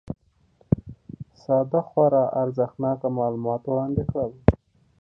ساده خورا ارزښتناک معلومات وړاندي کړل